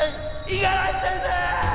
五十嵐先生！